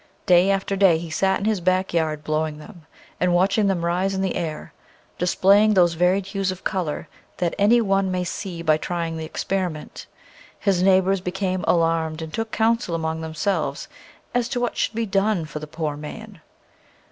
Day^after day he sat in his back yard blowing them and watching them rise in the air, displaying those varied hues of color that any one may see by trying the experiment. His neighbors became alarmed and took council among themselves as to what should be done for the "poor man."